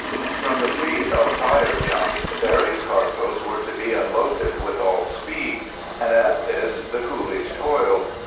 From the fleet of fire junks various cargoes were to be unloaded with all speed, and at this the coolies toiled.